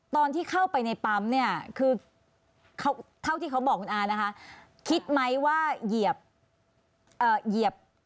ตอนที่เข้าไปในปั๊มเนี่ยคือเขาเท่าที่เขาบอกคุณอานะคะคิดไหมว่าเหยียบ